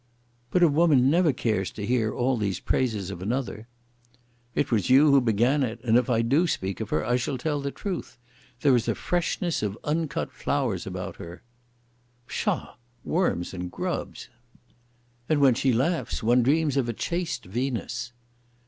"But a woman never cares to hear all these praises of another." "It was you began it, and if I do speak of her I shall tell the truth. There is a freshness as of uncut flowers about her." "Psha! Worms and grubs!" "And when she laughs one dreams of a chaste Venus."